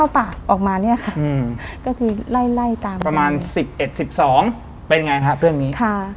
เป็นยังไงครับเรื่องนี้